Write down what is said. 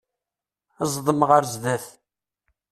Zdem ɣer sdat.